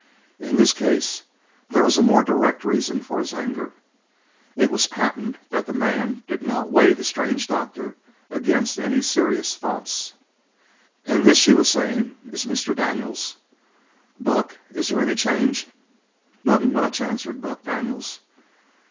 In this case there was more direct reason for his anger. It was patent that the man did not weight the strange doctor against any serious thoughts. "And this," she was saying, "is Mr. Daniels. Buck, is there any change?" "Nothin' much," answered Buck Daniels.